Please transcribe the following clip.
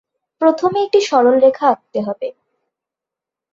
প্রথমে একটি সরলরেখা আঁকতে হবে।